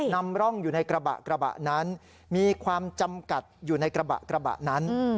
นำร่องอยู่ในกระบะกระบะนั้นมีความจำกัดอยู่ในกระบะนั้น